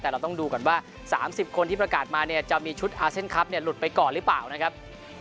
แต่เราต้องดูก่อนว่า๓๐คนที่ประกาศมาเนี่ยจะมีชุดอาเซียนคลับเนี่ยหลุดไปก่อนหรือเปล่านะครับ